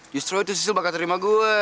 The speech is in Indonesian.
justru itu siswa bakal terima gue